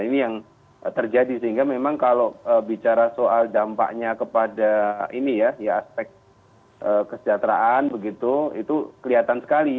ini yang terjadi sehingga memang kalau bicara soal dampaknya kepada ini ya aspek kesejahteraan begitu itu kelihatan sekali